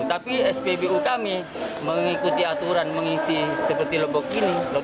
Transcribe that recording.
tapi spbu kami mengikuti aturan mengisi seperti lebok ini